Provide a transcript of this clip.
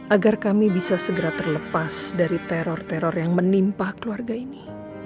agar kami bisa segera terlepas dari teror teror yang menimpa keluarga ini